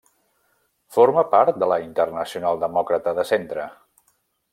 Forma part de la Internacional Demòcrata de Centre.